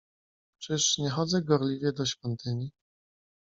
"Czyż nie chodzę gorliwie do świątyni?"